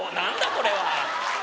これは！